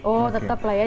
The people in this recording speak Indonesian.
oh tetap lah ya